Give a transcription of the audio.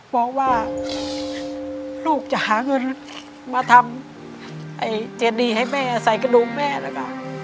เพราะว่าลูกจะหาเงินมาทำให้เจนดีไชน์ใส่กระดูกแม่ล่ะค่ะ